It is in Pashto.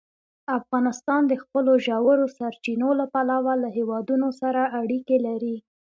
افغانستان د خپلو ژورو سرچینو له پلوه له هېوادونو سره اړیکې لري.